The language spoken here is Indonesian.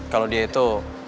kalau dia itu